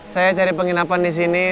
saya cari penginapan disini